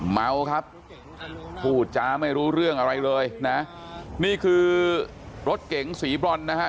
เมาครับพูดจาไม่รู้เรื่องอะไรเลยนะนี่คือรถเก๋งสีบรอนนะฮะ